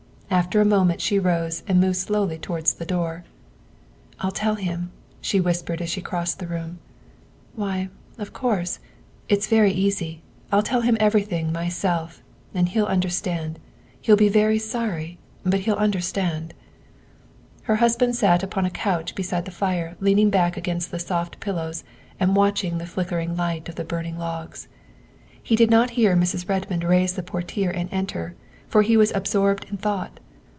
After a moment she rose and moved slowly towards the door. " I '11 tell him, '' she whispered as she crossed the room. " Why, of course. It's very easy. I'll tell him every thing myself and he'll understand. He'll be very sorry, but he '11 understand. '' Her husband sat upon a couch beside the fire leaning back against the soft pillows and watching the flicker ing light of the burning logs. He did not hear Mrs. Redmond raise the portiere and enter, for he was ab sorbed in thought.